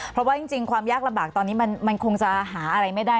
เพราะว่าจริงความยากลำบากตอนนี้มันคงจะหาอะไรไม่ได้